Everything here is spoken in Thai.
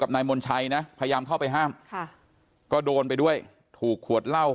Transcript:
นายมนชัยนะพยายามเข้าไปห้ามค่ะก็โดนไปด้วยถูกขวดเหล้า